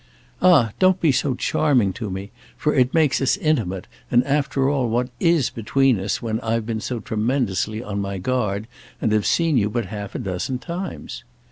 "Ah don't be so charming to me!—for it makes us intimate, and after all what is between us when I've been so tremendously on my guard and have seen you but half a dozen times?"